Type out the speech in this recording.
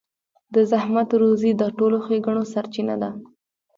د زحمت روزي د ټولو ښېګڼو سرچينه ده.